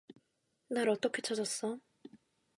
날 어떻게 찾았어?